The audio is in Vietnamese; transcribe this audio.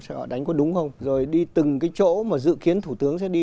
họ đánh có đúng không rồi đi từng cái chỗ mà dự kiến thủ tướng sẽ đi